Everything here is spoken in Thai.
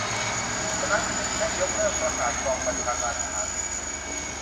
ฉะนั้น จึงให้ยกเลิกประกาศกองบัญชาการทหารสูงสุด